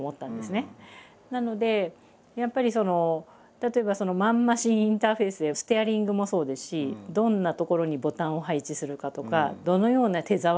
なのでやっぱりその例えばマン・マシンインターフェースステアリングもそうですしどんな所にボタンを配置するかとかどのような手触りにするのかとか。